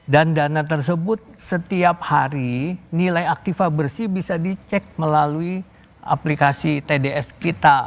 dan dana tersebut setiap hari nilai aktifa bersih bisa dicek melalui aplikasi tds kita